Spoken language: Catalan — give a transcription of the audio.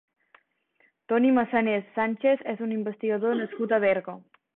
Toni Massanés Sánchez és un investigador nascut a Berga.